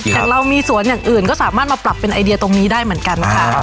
อย่างเรามีสวนอย่างอื่นก็สามารถมาปรับเป็นไอเดียตรงนี้ได้เหมือนกันค่ะ